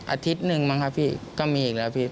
อาทิตย์หนึ่งมั้งครับพี่ก็มีอีกแล้วพี่